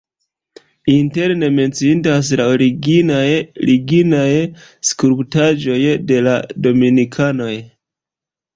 Interne menciindas la originaj lignaj skulptaĵoj de la dominikanoj.